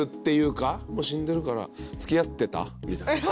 「もう死んでるから」「付き合ってた」みたいな。